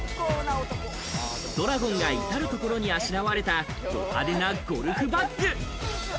ドラゴンが至るところにあしらわれたド派手なゴルフバック。